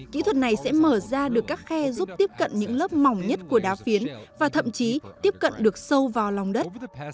kỹ thuật này sẽ mở ra được các khe giúp tiếp cận những lớp mỏng nhất của đá phiến và thậm chí tiếp cận được sâu vào lòng đất